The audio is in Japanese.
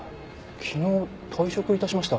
昨日退職致しました。